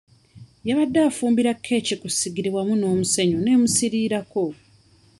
Yabadde fumbira keeki ku ssigiri wamu n'omusenyu n'emusiirirako.